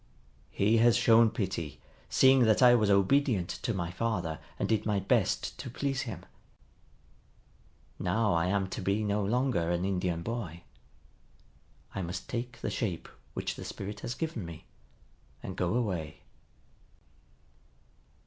He has shown pity, seeing that I was obedient to my father and did my best to please him. Now I am to be no longer an Indian boy. I must take the shape which the Spirit has given me, and go away."